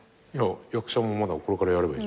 役者もまだこれからやればいいじゃん。